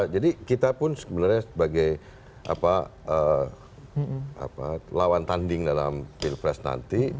jadi kita pun sebenarnya sebagai lawan tanding dalam pilpres nanti